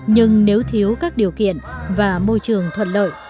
nhưng nếu thiếu các điều kiện và môi trường thuận lợi